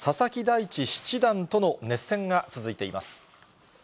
いち七段との熱戦が続いています。